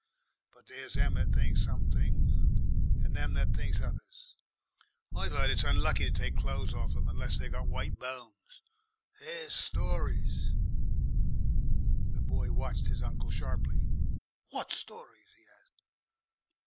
But there's them that thinks some things and them as thinks others. I've 'eard it's unlucky to take clo'es off of 'em unless they got white bones. There's stories " The boy watched his uncle sharply. "WOT stories?" he said.